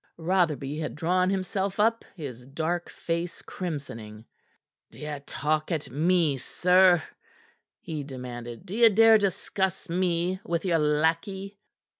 Rotherby had drawn himself up, his dark face crimsoning. "D'ye talk at me, sir?" he demanded. "D'ye dare discuss me with your lackey?"